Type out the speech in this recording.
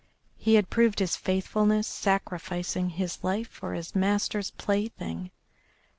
He had proved his faithfulness, sacrificing his life for his master's play thing.